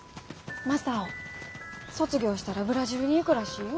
正男卒業したらブラジルに行くらしいよ。